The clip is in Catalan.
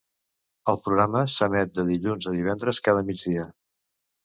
El programa s'emet de dilluns a divendres cada migdia.